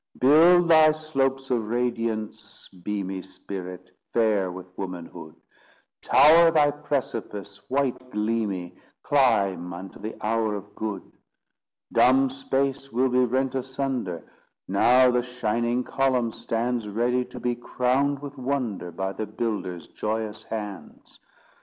Build thy slopes of radiance beamy Spirit, fair with womanhood! Tower thy precipice, white gleamy, Climb unto the hour of good. Dumb space will be rent asunder, Now the shining column stands Ready to be crowned with wonder By the builder's joyous hands.